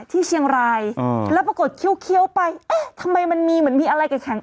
ที่เชียงรายแล้วปรากฏเคี้ยวไปเอ๊ะทำไมมันมีเหมือนมีอะไรแข็ง